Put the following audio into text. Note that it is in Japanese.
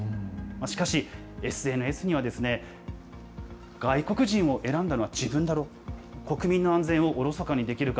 しかし、ＳＮＳには外国人を選んだのは自分だろ、国民の安全をおろそかにできるか。